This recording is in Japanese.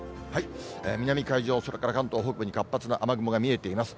南海上、それから関東北部に活発な雨雲が見えています。